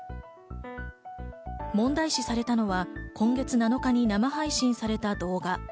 問題視されたのは今月７日に生配信された動画。